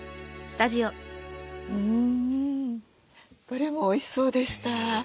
どれもおいしそうでした。